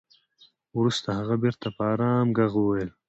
وروسته هغه بېرته په ارام ږغ وويل.